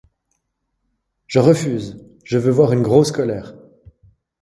Je refuse ; je veux voir une grosse colère.